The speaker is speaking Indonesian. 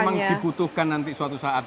memang dibutuhkan nanti suatu saat